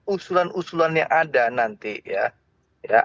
usulan usulan yang ada nanti ya